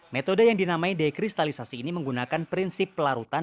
metode yang dinamai dekristalisasi ini menggunakan prinsip pelarutan